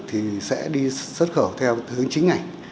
thì sẽ đi xuất khẩu theo hướng chính ảnh